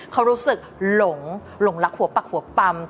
เขารู้สึกหลงหลงรักหัวปักหัวปำ